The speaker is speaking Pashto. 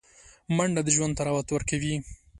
منډه د ژوند طراوت ورکوي